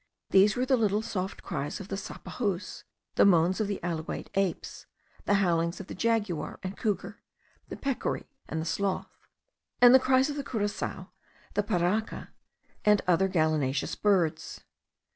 These were the little soft cries of the sapajous, the moans of the alouate apes, the howlings of the jaguar and couguar, the peccary, and the sloth, and the cries of the curassao, the parraka, and other gallinaceous birds.